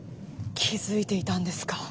気付いていたんですか？